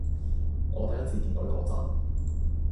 我第一次見佢嗰陣